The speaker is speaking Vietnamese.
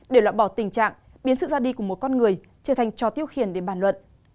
để loại bỏ tình trạng biến sự ra đi của một con người trở thành trò tiêu khiển để bàn luận